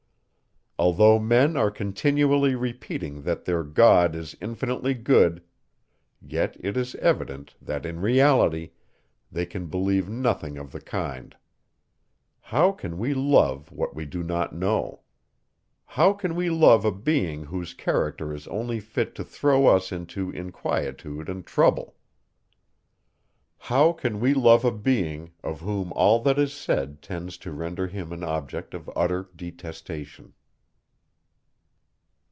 Although men are continually repeating that their God is infinitely good; yet it is evident, that in reality, they can believe nothing of the kind. How can we love what we do not know? How can we love a being, whose character is only fit to throw us into inquietude and trouble? How can we love a being, of whom all that is said tends to render him an object of utter detestation?